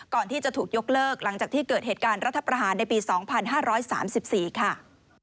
ก่อนที่จะถูกยกเลิกหลังจากที่เกิดเหตุการณ์รัฐประหารในปี๒๕๓๔ค่ะ